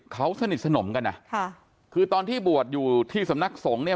เขาสนิทสนมกันนะค่ะคือตอนที่บวชอยู่ที่สำนักสงฆ์เนี่ย